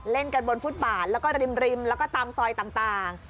เล่นกันบนฟุตบาทแล้วก็ริมแล้วก็ตามซอยต่าง